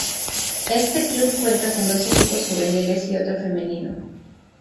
Este club cuenta con dos equipos juveniles y otro femenino.